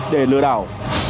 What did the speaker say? để lừa đảo